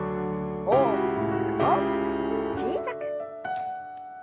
大きく大きく小さく。